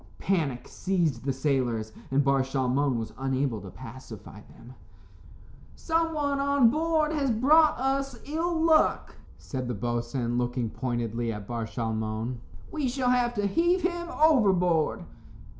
Panic seized the sailors, and Bar Shalmon was unable to pacify them. "Someone on board has brought us ill luck," said the boatswain, looking pointedly at Bar Shalmon; "we shall have to heave him overboard."